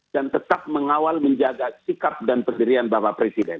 dan tetap mengawal menjaga sikap dan pendirian bapak presiden